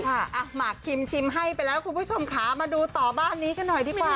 หมากคิมชิมให้ไปแล้วคุณผู้ชมค่ะมาดูต่อบ้านนี้กันหน่อยดีกว่า